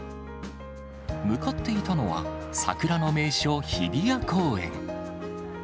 向かっていたのは、桜の名所、日比谷公園。